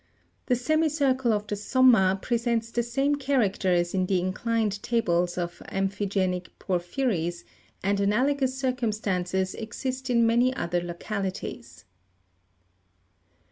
The semicircle of the somma presents the same characters in the inclined tables of amphige'nic porphyries, and analogous circumstances exist in many other localities.